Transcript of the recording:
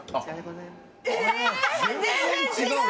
全然違う！